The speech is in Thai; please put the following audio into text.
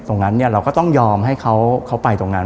ตรงนั้นเราก็ต้องยอมให้เขาไปตรงนั้น